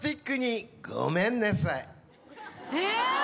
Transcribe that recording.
・え！